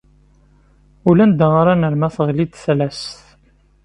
Ulanda ara nerr ma teɣli-d tallast.